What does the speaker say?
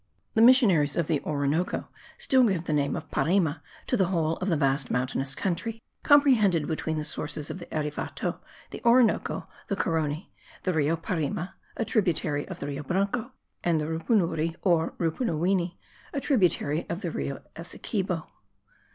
The missionaries of the Orinoco still give the name of Parime to the whole of the vast mountainous country comprehended between the sources of the Erevato, the Orinoco, the Caroni, the Rio Parime* (a tributary of the Rio Branco) and the Rupunuri or Rupunuwini, a tributary of the Rio Essequibo.